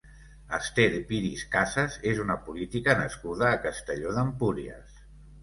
Ester Piris Casas és una política nascuda a Castelló d'Empúries.